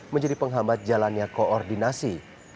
menjadi penghambat jalannya koordinasi